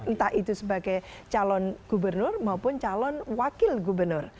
entah itu sebagai calon gubernur maupun calon wakil gubernur